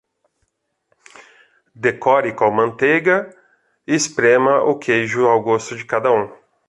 Decore com manteiga e esprema o queijo ao gosto de cada um.